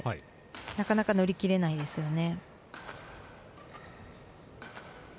なかなか乗り切れないですよね。